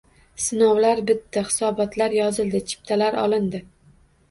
Sinovlar bitdi hisobotlar yozildi chiptalar olindi.